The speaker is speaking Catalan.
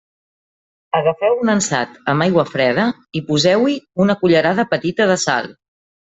Agafeu un ansat amb aigua freda i poseu-hi una cullerada petita de sal.